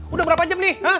udah berapa jam nih